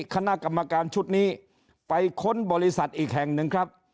คณะกรรมการชุดนี้ไปค้นบริษัทอีกแห่งหนึ่งครับ